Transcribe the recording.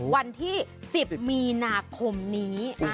วันที่๑๐มีนาคมนี้